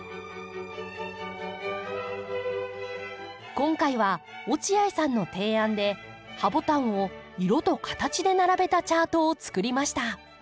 今回は落合さんの提案でハボタンを色と形で並べたチャートをつくりました。